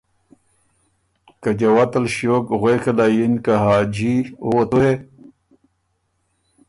که جوت ال ݭیوک غوېکه له یِن که حاجی او وه تُو هې!